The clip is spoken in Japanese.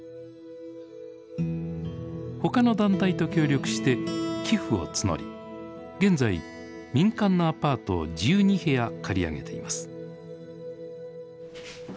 他の団体と協力して寄付を募り現在民間のアパートを１２部屋借り上げています。